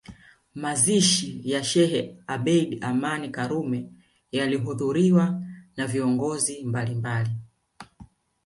Mazishi ya Sheikh Abeid Amani Karume yalihudhuriwa na viongozi mbalimbali